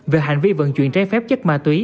về hành vi vận chuyển trái phép chất ma túy